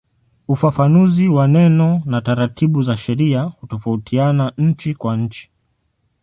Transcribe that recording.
Ufafanuzi wa neno na taratibu za sheria hutofautiana nchi kwa nchi.